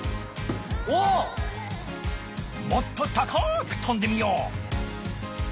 もっと高くとんでみよう。